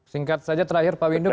singkat saja terakhir pak windu